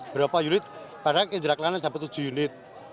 berapa unit padahal indra kelana dapat tujuh unit